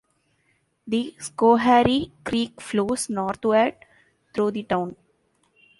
The Schoharie Creek flows northward through the town.